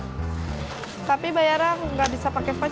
jadi tadi dimana ya makul makanya jangan banyak ngomong